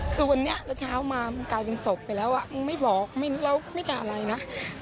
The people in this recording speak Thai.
คือวันนี้เช้ามามันกลายเป็นศพไปแล้วไม่บอกแล้วไม่ได้อะไรนะ